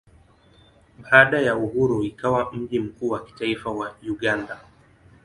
Baada ya uhuru ikawa mji mkuu wa kitaifa wa Uganda.